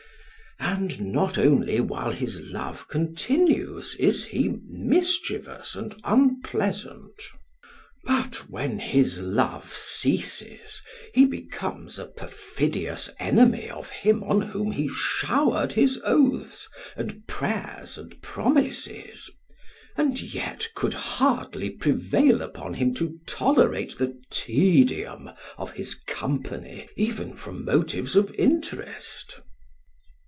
And not only while his love continues is he mischievous and unpleasant, but when his love ceases he becomes a perfidious enemy of him on whom he showered his oaths and prayers and promises, and yet could hardly prevail upon him to tolerate the tedium of his company even from motives of interest.